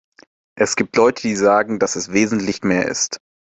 Es gibt Leute, die sagen, dass es wesentlich mehr ist.